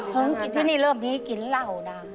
กินที่นี่เริ่มมีกลิ่นเหล้านะ